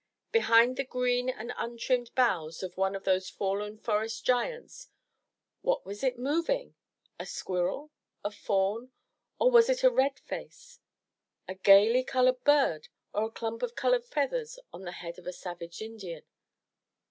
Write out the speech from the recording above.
Behind the green and untrimmed boughs of one of those fallen forest giants, what was it moving? — a squirrel, a fawn, or was it a red face? — a gaily colored bird of a clump of colored feathers on the head of a savage Indian?